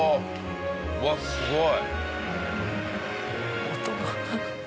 うわっすごい！音が。